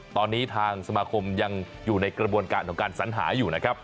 ตอนนี้ทางสมาคมยังอยู่ในกระบวนการของการสัญหาอยู่นะครับ